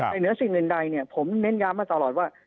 ในเนื้อสิ่งเงินใดผมเน้นย้ำมาตลอดว่า